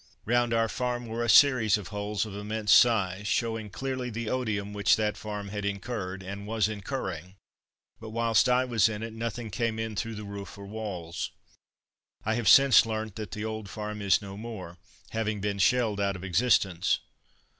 Round about our farm were a series of holes of immense size, showing clearly the odium which that farm had incurred, and was incurring; but, whilst I was in it, nothing came in through the roof or walls. I have since learnt that that old farm is no more, having been shelled out of existence.